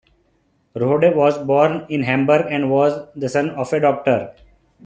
Rohde was born in Hamburg and was the son of a doctor.